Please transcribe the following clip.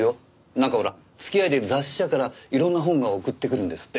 なんかほら付き合いで雑誌社からいろんな本が送ってくるんですって。